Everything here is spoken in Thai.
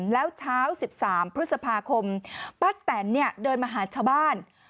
แล้วเช้า๑๓พฤษภาคมป้าแตนเนี่ยเดินมาหาชาวบ้าน